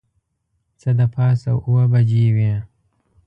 څه د پاسه اوه بجې وې.